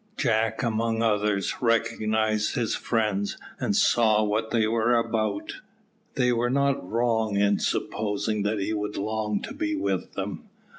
Jack among others recognised his friends, and saw what they were about. They were not wrong in supposing that he would long to be with them.